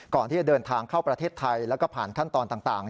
ก่อนที่จะเดินทางเข้าประเทศไทยแล้วก็ผ่านขั้นตอนต่าง